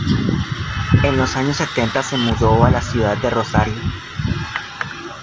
En los años setenta se mudó a la ciudad de Rosario.